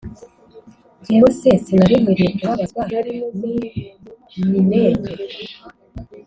Jyewe se sinari nkwiriye kubabazwa n i Nineve